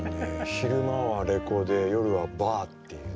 昼間はレコード屋夜はバーっていう。